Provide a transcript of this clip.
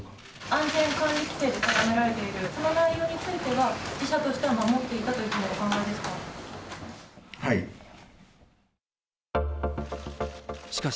安全管理規程で定められている、その内容については、自社としては守っていたとお考えでしょうか。